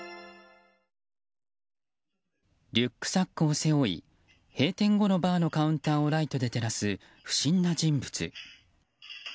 リュックサックを背負い閉店後のカウンターをライトで照らす不審な人物。